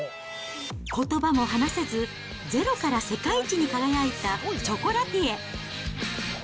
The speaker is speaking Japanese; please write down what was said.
ことばも話せず、ゼロから世界一に輝いた、ショコラティエ！